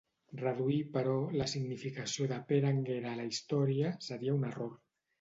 Reduir, però, la significació de Pere Anguera a la història, seria un error.